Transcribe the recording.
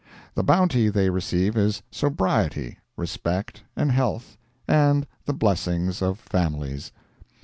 The bounty they receive is sobriety, respect and health, and the blessings of families.